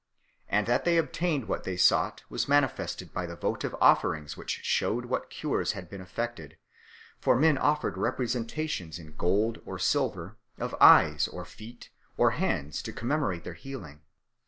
And that they obtained what they sought was manifested by the votive offerings which shewed what cures had been effected; for men offered representations in gold or silver of eyes or feet or hands to commemorate their healing.